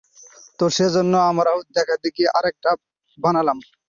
তো, সেজন্য আমরাও দেখাদেখি আরেকটা বানালাম।